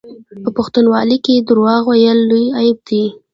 په پښتونولۍ کې دروغ ویل لوی عیب دی.